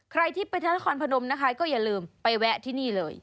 ใครที่ไปนครพนมนะคะก็อย่าลืมไปแวะที่นี่เลย